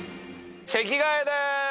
席替えです！